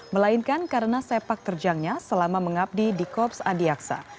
melainkan karena sepak terjangnya selama mengabdi di korps adiaksa